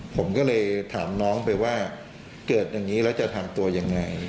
ผมก็เลยถามน้องไปว่าเกิดอย่างนี้แล้วจะทำตัวยังไง